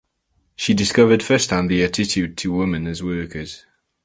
She discovered first hand the attitude to women as workers.